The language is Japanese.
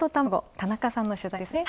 田中さんの取材ですね。